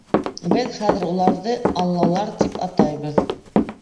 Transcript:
Беҙ хәҙер уларҙы аллалар тип атайбыҙ.